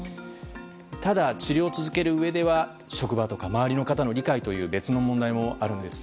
ただ、治療を続けるうえでは職場とか周りの方の理解とかの別の問題もあるんです。